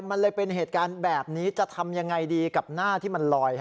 มันเลยเป็นเหตุการณ์แบบนี้จะทำยังไงดีกับหน้าที่มันลอย